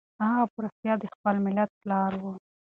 هغه په رښتیا د خپل ملت پلار و.